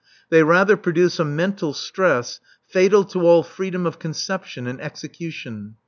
They rather produce a mental stress fatal to all freedom of conception and execution.